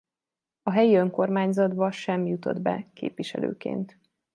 A helyi önkormányzatba sem jutott be képviselőként.